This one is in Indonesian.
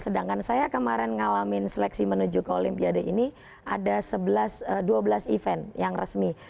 sedangkan saya kemarin ngalamin seleksi menuju ke olimpiade ini ada dua belas event yang resmi